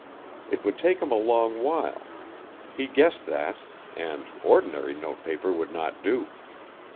It would take him a long while; he guessed that, and ordinary note paper would not do.